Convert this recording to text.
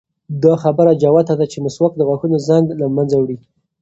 دا خبره جوته ده چې مسواک د غاښونو زنګ له منځه وړي.